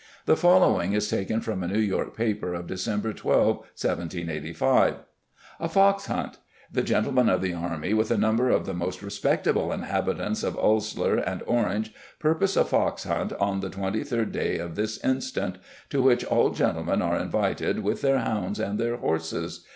The following is taken from a New York paper of December 12, 1785. "A Fox hunt. The Gentlemen of the army with a number of the most respectable inhabitants of Ulsler and Orange purpose a Fox Hunt on the twenty third day of this instant to which all Gentlemen are invited with their hounds and their horses.